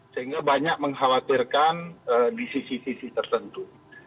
sehingga banyak mengkhawatirkan di sisi sisi tertentu